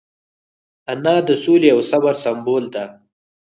انا د سولې او صبر سمبول ده